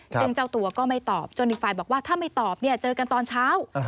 ซึ่งเจ้าตัวก็ไม่ตอบจนอีกฝ่ายบอกว่าถ้าไม่ตอบเนี่ยเจอกันตอนเช้า